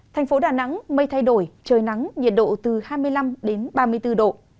thành phố đà nẵng mây thay đổi trời nắng nhiệt độ từ hai mươi năm đến ba mươi bốn độ